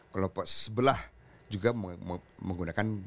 kelompok sebelah juga menggunakan